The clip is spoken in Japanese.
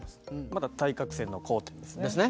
また対角線の交点ですね。